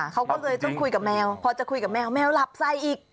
เขาก็เลยต้องคุยกับแมวพอจะคุยกับแมวแมวหลับไส้อีก